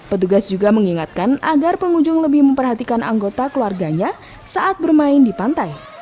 petugas juga mengingatkan agar pengunjung lebih memperhatikan anggota keluarganya saat bermain di pantai